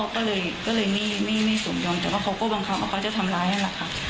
ก็เลยไม่สมยอมแต่ว่าเขาก็บังคับว่าเขาจะทำร้ายนั่นแหละค่ะ